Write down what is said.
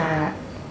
itu bukan diri aku